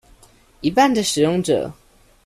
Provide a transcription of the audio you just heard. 一半的使用者